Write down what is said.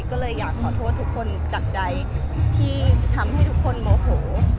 ก็เลยอยากขอโทษทุกคนจากใจที่ทำให้ทุกคนโมโห